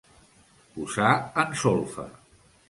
Posar en solfa.